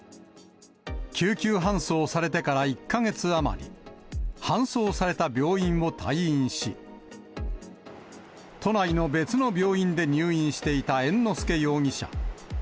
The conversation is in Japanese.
救急搬送されてから１か月余り、搬送された病院を退院し、都内の別の病院で入院していた猿之助容疑者。